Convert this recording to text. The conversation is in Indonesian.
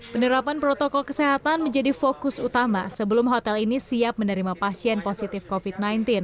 penerapan protokol kesehatan menjadi fokus utama sebelum hotel ini siap menerima pasien positif covid sembilan belas